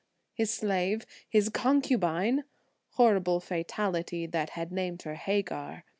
His slave, his concubine! Horrible fatality that had named her Hagar.